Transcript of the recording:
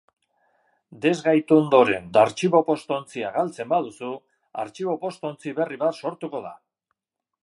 Desgaitu ondoren artxibo-postontzia gaitzen baduzu, artxibo-postontzi berri bat sortuko da